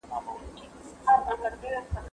زه باید درس ولولم!